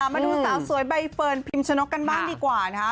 มาดูสาวสวยใบเฟิร์นพิมชนกกันบ้างดีกว่านะคะ